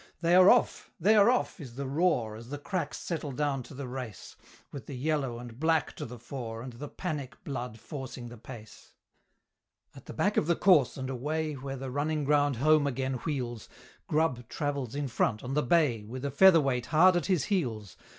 "They are off they are off!" is the roar, As the cracks settle down to the race, With the "yellow and black" to the fore, And the Panic blood forcing the pace. At the back of the course, and away Where the running ground home again wheels, Grubb travels in front on the bay, With a feather weight hard at his heels.